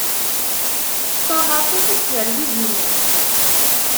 Taɣaṭ-is ad d-tarew izimer.